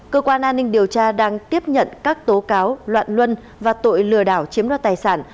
cơ quan an ninh điều tra đang tiếp nhận các tố cáo loạn luân và tội lừa đảo chiếm đoạt tài sản